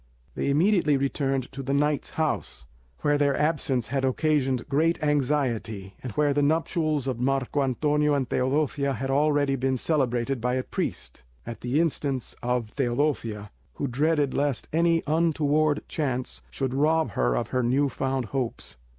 They immediately returned to the knight's house, where their absence had occasioned great anxiety, and where the nuptials of Marco Antonio and Teodosia had already been celebrated by a priest, at the instance of Teodosia, who dreaded lest any untoward chance should rob her of her new found hopes.